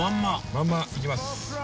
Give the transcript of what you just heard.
まんまいきます。